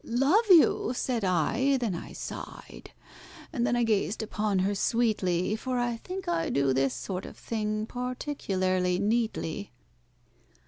"Love you?" said I, then I sighed, and then I gazed upon her sweetly— For I think I do this sort of thing particularly neatly.